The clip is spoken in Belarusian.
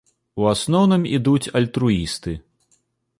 У асноўным ідуць альтруісты.